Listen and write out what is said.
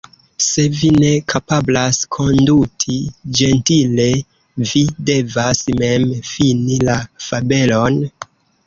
Se vi ne kapablas konduti ĝentile, vi devas mem fini la fabelon.